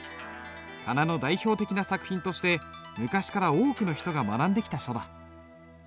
仮名の代表的な作品として昔から多くの人が学んできた書だ。